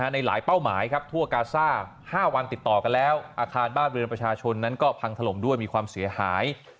ในหลายเป้าหมายครับทั่วกาซ่า๕วันติดต่อกันแล้วอาคารบ้านเรือนประชาชนนั้นก็พังถล่มด้วยมีความเสียหาย